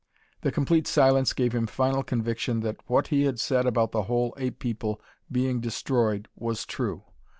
The complete silence gave him final conviction that what he had said about the whole ape people being destroyed was true.